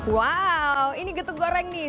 wow ini getuk goreng nih